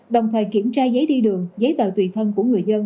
đồng thời kiểm tra giấy đi đường giấy tờ tùy thân của người dân